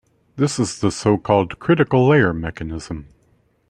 This is the so-called critical-layer mechanism.